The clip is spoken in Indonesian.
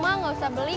single bed juga dibeli